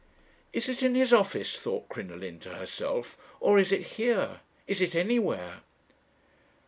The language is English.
"'Is it in his office?' thought Crinoline to herself; 'or is it here? Is it anywhere?'